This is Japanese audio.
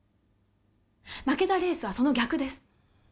負けたレースはその逆です